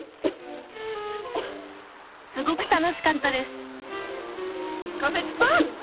すごく楽しかったです。